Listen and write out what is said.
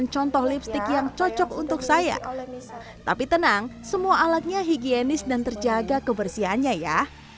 cokot untuk saya tetapi tenang semua alatnya higienis dan terjaga kebersihannya ya